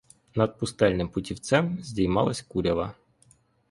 Над пустельним путівцем здіймалась курява.